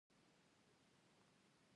د کابل - کندهار لاره څومره خرابه ده؟